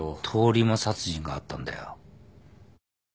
通り魔殺人があったんだよ。